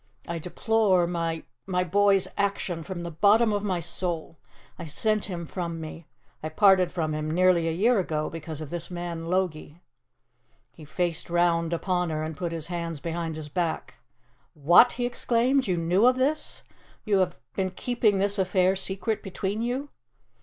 I deplore my my boy's action from the bottom of my soul. I sent him from me I parted from him nearly a year ago because of this man Logie." He faced round upon her and put his hands behind his back. "What!" he exclaimed, "you knew of this? You have been keeping this affair secret between you?"